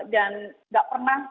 dan gak pernah